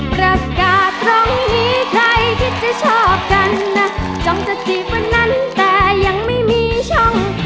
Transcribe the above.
ประกาศตรงนี้ใครคิดจะชอบกันนะจ้องจะจีบวันนั้นแต่ยังไม่มีช่อง